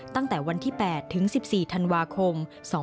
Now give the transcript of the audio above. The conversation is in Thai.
ตั้งแต่วันที่๘ถึง๑๔ธันวาคม๒๕๕๙